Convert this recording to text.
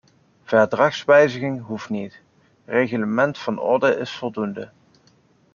Verdragswijziging hoeft niet, reglement van orde is voldoende.